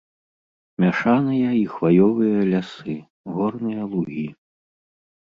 Мяшаныя і хваёвыя лясы, горныя лугі.